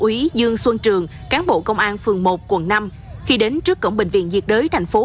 úy dương xuân trường cán bộ công an phường một quận năm khi đến trước cổng bệnh viện diệt đới thành phố